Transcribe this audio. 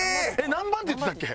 何番って言ってたっけ？